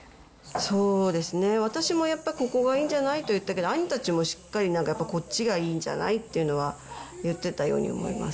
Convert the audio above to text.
そうですね、私もやっぱ、ここがいいんじゃないと言ったけど、兄たちもしっかりなんか、こっちがいいんじゃないっていうのは言ってたように思います。